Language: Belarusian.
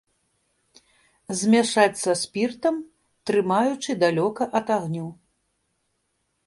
Змяшаць са спіртам, трымаючы далёка ад агню.